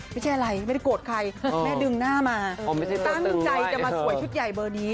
ไม่ใช่อะไรไม่ได้โกรธใครแม่ดึงหน้ามาตั้งใจจะมาสวยชุดใหญ่เบอร์นี้